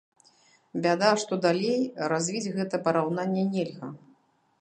Бяда, што далей развіць гэта параўнанне нельга.